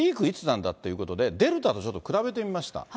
いつなんだということで、デルタとちょっと比べてみました。